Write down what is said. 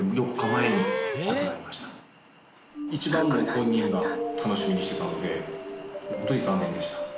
一番本人が楽しみにしてたんでホントに残念でした。